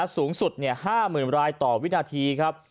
สูงสุด๕หมื่นไลน์ต่อวินาทีครับ